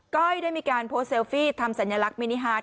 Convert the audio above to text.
้อยได้มีการโพสต์เซลฟี่ทำสัญลักษณมินิฮาร์ด